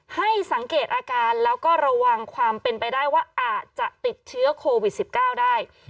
ให้สังเกตอาการแล้วก็ระวังความเป็นไปได้ว่าอาจจะติดเชื้อโควิด๑๙ได้